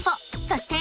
そして。